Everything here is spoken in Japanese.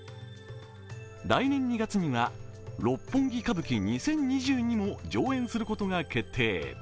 来年２月には「六本木歌舞伎２０２２」も上演することが決定。